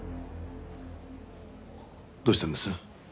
どうしたんです？